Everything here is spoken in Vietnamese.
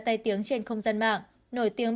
tay tiếng trên không gian mạng nổi tiếng